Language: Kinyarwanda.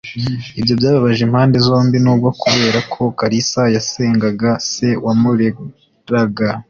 Ibyo byababaje impande zombi, nubwo, kubera ko Kalisa yasengaga se wamureraga.